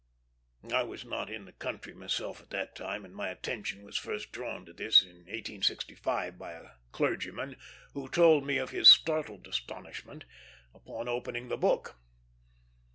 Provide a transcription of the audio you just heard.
I was not in the country myself at that time, and my attention was first drawn to this in 1865 by a clergyman, who told me of his startled astonishment upon opening the Book.